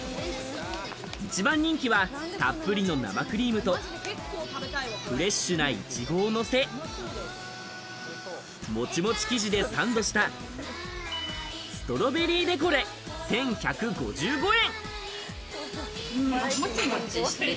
一番人気は、たっぷりの生クリームと、フレッシュなイチゴをのせモチモチ生地でサンドしたストロベリーデコレ、１１５５円。